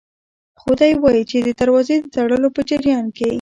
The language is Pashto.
خو دی وايي چې د دروازې د تړلو په جریان کې